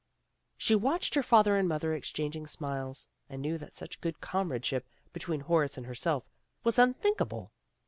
She watched her father and mother exchanging smiles and knew that such good comradeship between Horace and herself was unthinkable.